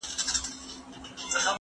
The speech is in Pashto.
زه به سبا بازار ته ولاړ سم!؟